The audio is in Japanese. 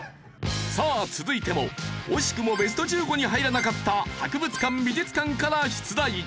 さあ続いても惜しくもベスト１５に入らなかった博物館・美術館から出題。